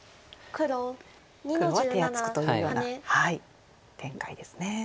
黒は手厚くというような展開ですね。